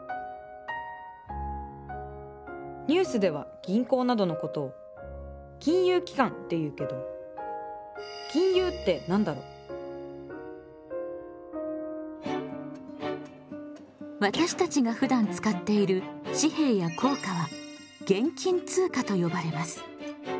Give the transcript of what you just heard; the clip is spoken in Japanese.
ニュースでは銀行などのことを金融機関っていうけど私たちがふだん使っている紙幣や硬貨は現金通貨と呼ばれます。